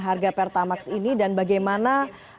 harga pertamax ini dan bagaimana